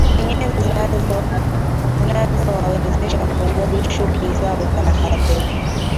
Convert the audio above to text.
Ni nyenzo zitakazowawezesha kumudu shughuli zao za baharini